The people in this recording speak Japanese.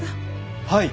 はい。